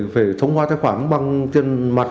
phải thông qua cái khoản bằng tiền mặt